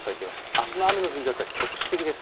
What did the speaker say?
あすの雨の降り方は局地的です。